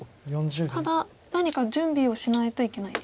ただ何か準備をしないといけないんですか？